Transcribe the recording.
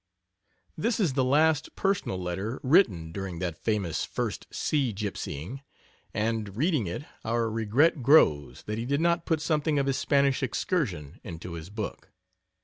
This is the last personal letter written during that famous first sea gipsying, and reading it our regret grows that he did not put something of his Spanish excursion into his book.